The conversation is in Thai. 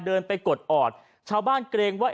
เดินไปกดออดชาวบ้านเกรงว่า